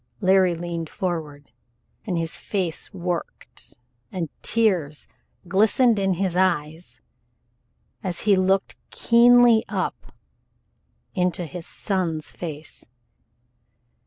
Larry leaned forward, and his face worked and tears glistened in his eyes as he looked keenly up into his son's face.